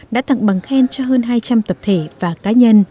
đã tặng bằng khen cho hơn hai trăm linh tập thể và cá nhân